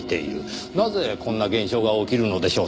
なぜこんな現象が起きるのでしょう？